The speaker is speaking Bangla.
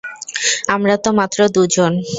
আমরা তো মাত্র দুজন।